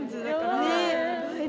ねっ！